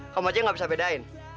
kamu aja nggak bisa bedain